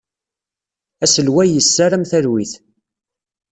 Aselway yessaram talwit.